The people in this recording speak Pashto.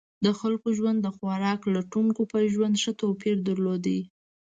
د خلکو ژوند د خوراک لټونکو په ژوند ښه توپیر درلود.